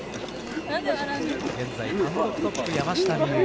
現在単独トップ山下美夢有